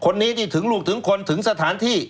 คนนี้ที่ถึงลูกถึงคนถึงสถานที่